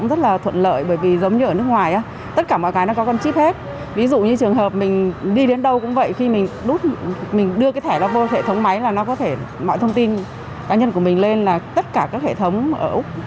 ví dụ như trường hợp mình đi đến đâu cũng vậy khi mình đưa cái thẻ nó vô hệ thống máy là nó có thể mọi thông tin cá nhân của mình lên là tất cả các hệ thống ở úc